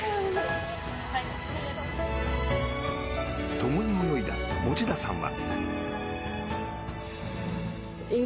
ともに泳いだ持田さんは。